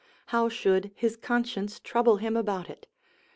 How should his conscience trouble him about it?